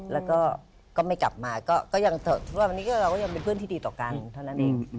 แล้วก็ก็ไม่กลับมาก็ยังคิดว่าวันนี้เราก็ยังเป็นเพื่อนที่ดีต่อกันเท่านั้นเอง